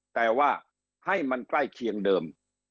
แต่ว่าให้มันใกล้เคียงเดิม